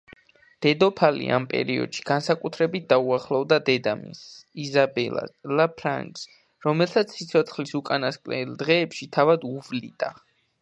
დედოფალი ამ პერიოდში განსაკუთრებით დაუახლოვდა დედამისს, იზაბელა ფრანგს, რომელსაც სიცოცხლის უკანასკნელ დღეებში თავად უვლიდა.